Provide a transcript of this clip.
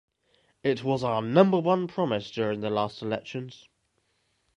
It was our number one promise during the last elections.